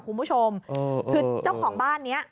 คุณผู้ชมเออเออเออคือเจ้าของบ้านเนี้ย